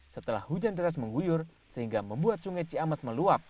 setelah hujan deras mengguyur sehingga membuat sungai ciames meluap